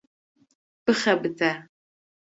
bixebite